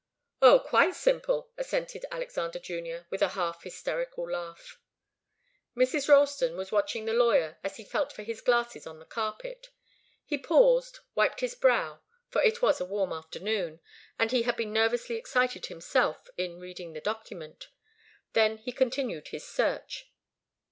"Oh, quite simple!" assented Alexander Junior, with a half hysterical laugh. Mrs. Ralston was watching the lawyer as he felt for his glasses on the carpet. He paused, wiped his brow for it was a warm afternoon, and he had been nervously excited himself in reading the document. Then he continued his search.